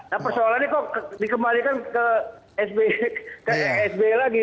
nah persoalannya kok dikembalikan ke sby lagi